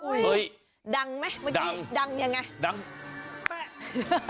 เฮ้ยดังไหมเมื่อกี้ดังยังไงดัง